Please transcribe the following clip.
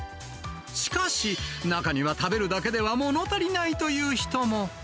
しかし、中には食べるだけではもの足りないという人も。